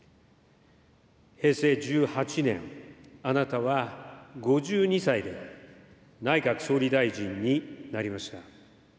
平成１８年、あなたは５２歳で、内閣総理大臣になりました。